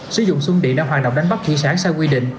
sử dụng xuân địa đang hoàn động đánh bắt thủy sản sai quy định